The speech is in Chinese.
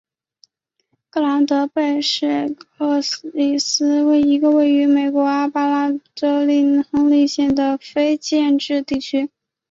格兰德贝里克罗斯罗兹是一个位于美国阿拉巴马州亨利县的非建制地区。